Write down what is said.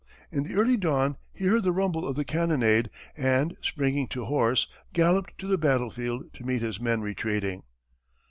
In the early dawn, he heard the rumble of the cannonade, and, springing to horse, galloped to the battlefield, to meet his men retreating.